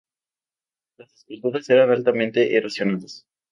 Las esculturas eran altamente erosionadas.